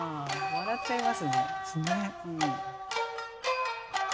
笑っちゃいますね。